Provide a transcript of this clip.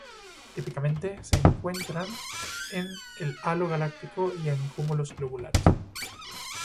Típicamente se encuentran en el halo galáctico y en cúmulos globulares.